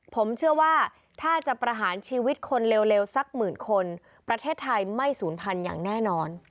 ผมเชื่อว่าถ้าจะประหารชีวิตคนเร็วสักหมื่นคนประเทศไทยไม่ศูนย์พันธุ์อย่างแน่นอน